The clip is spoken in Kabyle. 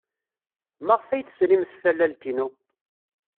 Maɣef ay tesrim tallalt-inu?